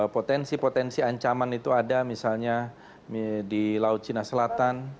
potensi potensi ancaman itu ada misalnya di laut cina selatan